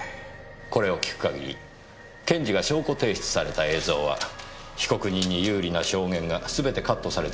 これを聞く限り検事が証拠提出された映像は被告人に有利な証言がすべてカットされていますねぇ。